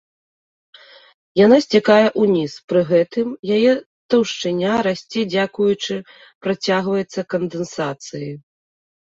Яна сцякае ўніз, пры гэтым яе таўшчыня расце дзякуючы працягваецца кандэнсацыі.